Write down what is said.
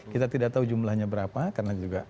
kita tidak tahu jumlahnya berapa karena juga